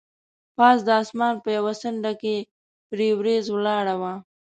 پاس د اسمان په یوه څنډه کې پرې وریځ ولاړه وه.